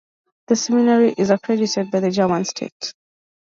The seminary is accredited by the German state.